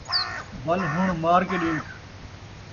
ول ہݨ مار کے ݙیکھ